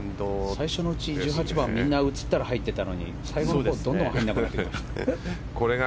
最初の１８番は映ったら入ってたのに最後、どんどん入らなくなったな。